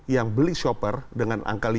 yang beli shopper dengan angka